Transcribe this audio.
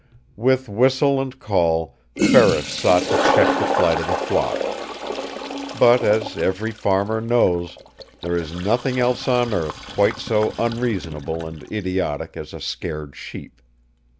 With whistle and call Ferris sought to check the flight of the flock. But, as every farmer knows, there is nothing else on earth quite so unreasonable and idiotic as a scared sheep.